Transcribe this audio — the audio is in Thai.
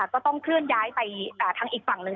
ก็ต้องเคลื่อนย้ายไปทางอีกฝั่งหนึ่ง